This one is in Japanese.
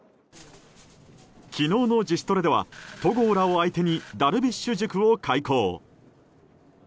昨日の自主トレでは戸郷らを相手にダルビッシュ塾を開講。